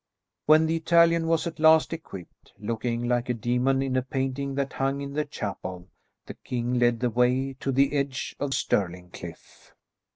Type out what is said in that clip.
When the Italian was at last equipped, looking like a demon in a painting that hung in the chapel, the king led the way to the edge of Stirling cliff.